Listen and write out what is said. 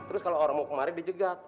terus kalau orang mau kemarin dijegat